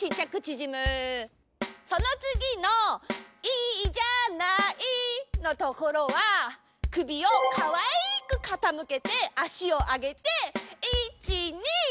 そのつぎの「いいじゃない」のところは首をかわいくかたむけてあしをあげて「いち、に！」。